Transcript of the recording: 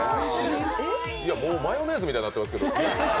もうマヨネーズみたいになってますけど？